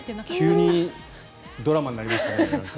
急にドラマになりましたね。